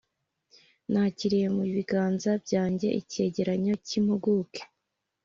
Nakiriye mu biganza byanjye icyegeranyo cy'impuguke